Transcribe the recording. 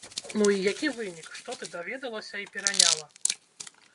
Ну і які вынік, што ты даведалася і пераняла?